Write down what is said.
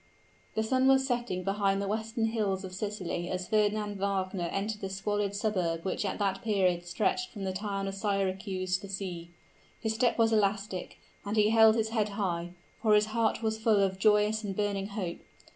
The sun was setting behind the western hills of Sicily as Fernand Wagner entered the squalid suburb which at that period stretched from the town of Syracuse to the sea. His step was elastic, and he held his head high for his heart was full of joyous and burning hope.